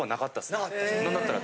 何だったら。